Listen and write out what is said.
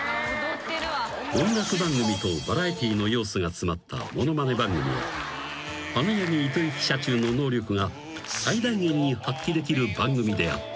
［音楽番組とバラエティーの要素が詰まったものまね番組は花柳糸之社中の能力が最大限に発揮できる番組であった］